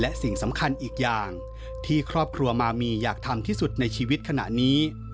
และสิ่งสำคัญอีกอย่างที่ครอบครัวมามีอยากทำที่สุดในชีวิตขณะนี้